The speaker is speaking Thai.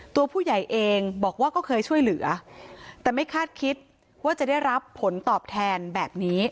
ตัวผู้ใหญ่เองบอกว่าก็เคยช่วยเหลือแต่ไม่คาดคิดว่าจะได้รับผลตอบแทนแบบนี้